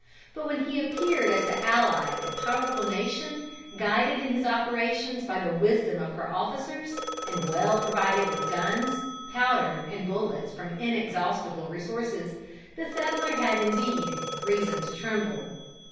But when he appeared as the ally of a powerful nation, guided in his operations by the wisdom of her officers, and well provided with guns, powder, and bullets from inexhaustible resources, the settler had indeed reason to tremble.